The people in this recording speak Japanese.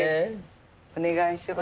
お願いします。